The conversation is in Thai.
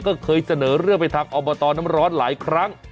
ก็เคยเสนอเรื่องไปทางอบตน้ำร้อนหลายครั้ง